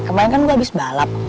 kemarin kan gue habis balap